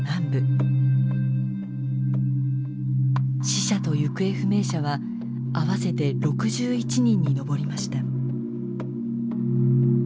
死者と行方不明者は合わせて６１人に上りました。